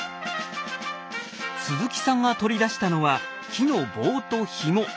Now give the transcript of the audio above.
鈴木さんが取り出したのは木の棒とひも。